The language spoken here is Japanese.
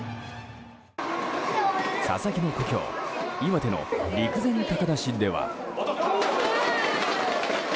佐々木の故郷岩手の陸前高田市では。